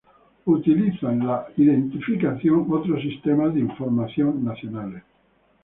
La identificación es utilizada por otros sistemas de información nacionales.